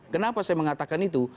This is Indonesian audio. kenapa saya mengatakan itu